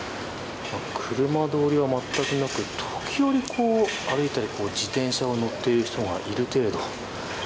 車通りはまったくなく時折、歩いたり自転車に乗っている人がいる程度。